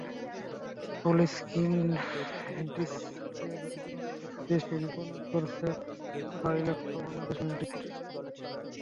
ফুল screen ডিসপ্লের স্মার্টফোনটি দেশে বিপণন করছে সোলার ইলেকট্রো বাংলাদেশ লিমিটেড।